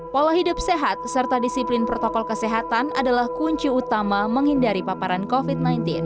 pola hidup sehat serta disiplin protokol kesehatan adalah kunci utama menghindari paparan covid sembilan belas